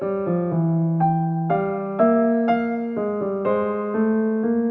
thì chắc chắn không phải là